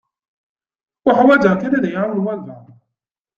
Uḥwaǧeɣ kan ad yi-iɛawen walebɛaḍ.